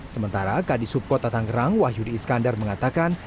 sementara kadisub kota tangerang wahyudi iskandar mengatakan